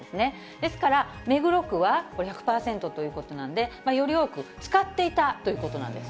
ですから、目黒区は１００％ということなんで、より多く使っていたということなんです。